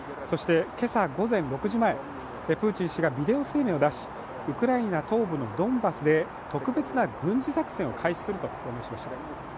そして、今朝午前６時までプーチン氏がビデオ声明を出しウクライナ東部のドンバスで特別な軍事作戦を開始すると表明しました。